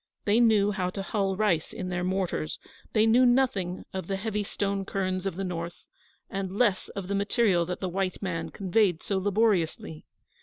They knew how to hull rice in their mortars, but they knew nothing of the heavy stone querns of the North, and less of the material that the white man convoyed so laboriously.